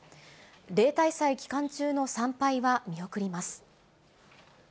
例大祭期間中の参拝は見送ります。